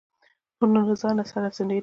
نور نو له ځانه سره سڼېده.